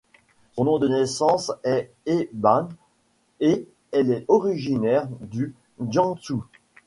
Son nom de naissance est He Ban, et elle est originaire du Jiangsu.